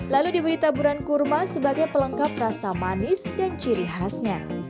lalu diberi taburan kurma sebagai pelengkap rasa manis dan ciri khasnya